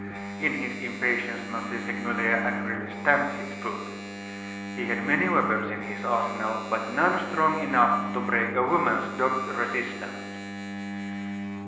In his impatience, M. Segmuller angrily stamped his foot. He had many weapons in his arsenal; but none strong enough to break a woman's dogged resistance.